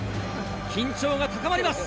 緊張が高まります！